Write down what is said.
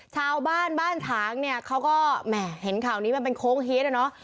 ชาวบ้านบ้านช้างเนี่ยเขาก็เห็นข่าวนี้มันเป็นโค้งฮีสต์แล้วเนอะ